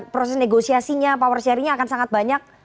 proses negosiasinya power sharingnya akan sangat banyak